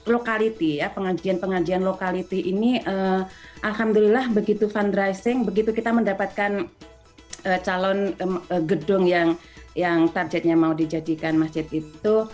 lokality ya pengajian pengajian lokality ini alhamdulillah begitu fundraising begitu kita mendapatkan calon gedung yang targetnya mau dijadikan masjid itu